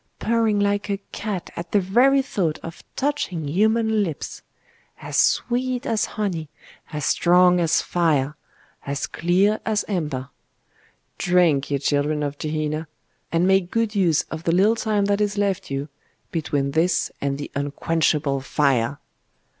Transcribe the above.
purring like a cat at the very thought of touching human lips! As sweet as honey, as strong as fire, as clear as amber! Drink, ye children of Gehenna; and make good use of the little time that is left you between this and the unquenchable fire!